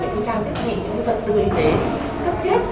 bệnh viện trang thiết bị những vật tư y tế cấp thiết